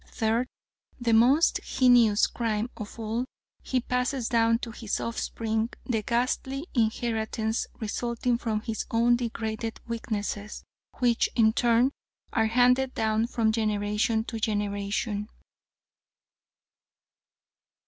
Third the most heinous crime of all he passes down to his offspring the ghastly inheritances resulting from his own degraded weaknesses, which, in turn, are handed down from generation to generation.